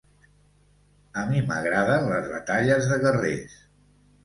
A mi m'agraden les batalles de guerrers.